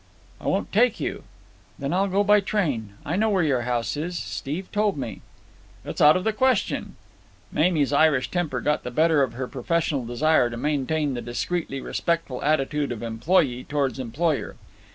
"I won't take you." "Then I'll go by train. I know where your house is. Steve told me." "It's out of the question." Mamie's Irish temper got the better of her professional desire to maintain the discreetly respectful attitude of employee toward employer.